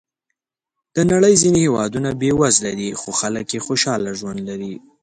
د نړۍ ځینې هېوادونه بېوزله دي، خو خلک یې خوشحاله ژوند لري.